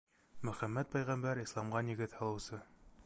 Мөхәммәт пәйғәмбәр — Исламға нигеҙ һалыусы.